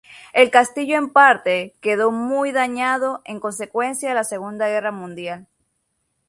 El castillo en parte quedó muy dañado a consecuencia de la Segunda Guerra Mundial.